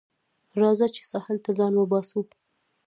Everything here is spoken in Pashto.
راځه چې ساحل ته ځان وباسو